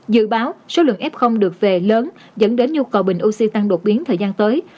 dự báo số lượng f được về lớn dẫn đến nhu cầu bình oxy tăng đột biến thời gian tới